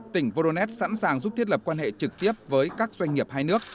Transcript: tỉnh voronet sẵn sàng giúp thiết lập quan hệ trực tiếp với các doanh nghiệp hai nước